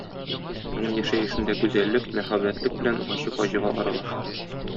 Аның яшәешендә гүзәллек, мәһабәтлек белән ачы фаҗига аралаша.